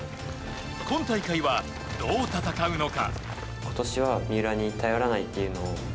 今大会はどう戦うのか。